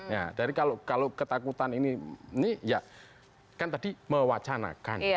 jadi kalau ketakutan ini kan tadi mewacanakan